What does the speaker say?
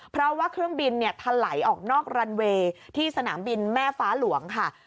เพราะว่าเครื่องบินเนี่ยถลายออกนอกรันเวย์ที่สนามบินแม่ฟ้าหลวงค่ะ